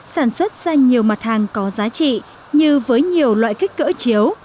sản xuất ra nhiều mặt hàng có giá trị như với nhiều loại kích cỡ chiếu